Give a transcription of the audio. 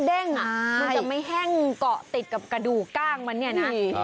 มันจะไม่แห้งเกาะติดกับกระดูกกล้างมันเนี่ยนะ